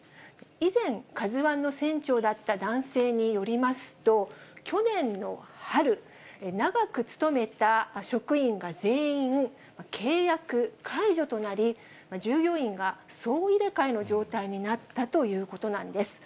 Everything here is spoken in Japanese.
以前、カズワンの船長だった男性によりますと、去年の春、長く勤めた職員が全員、契約解除となり、従業員が総入れ替えの状態になったということなんです。